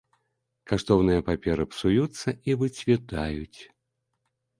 Каштоўныя паперы псуюцца і выцвітаюць.